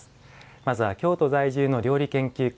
まずは、京都在住の料理研究家